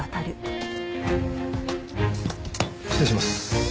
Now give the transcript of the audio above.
失礼します。